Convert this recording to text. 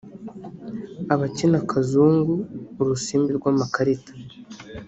abakina kazungu (urusimbi rw’amakarita)